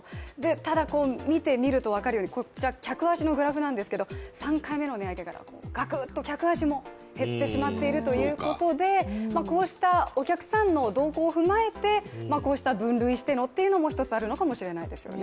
ただ見てみると分かるように客足のグラフなんですけども３回目の値上げからガクッと客足も減ってしまっているということでこうしたお客さんの動向を踏まえてこうした分類してのというのも一つあるのかもしれないですね。